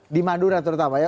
di madura terutama ya